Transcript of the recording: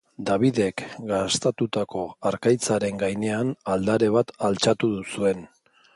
Davidek, gastatutako harkaitzaren gainean, aldare bat altxatu zuen.